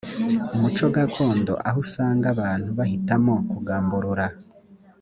muco gakondo aho usanga abantu bahitamo kugamburura